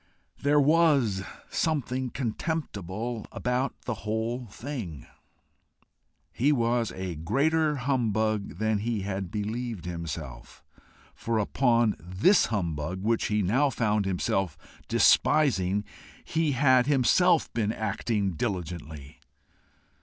There WAS something contemptible about the whole thing. He was a greater humbug than he had believed himself, for upon this humbug which he now found himself despising he had himself been acting diligently!